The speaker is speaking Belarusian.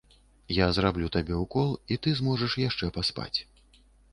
Я зраблю табе ўкол і ты зможаш яшчэ паспаць.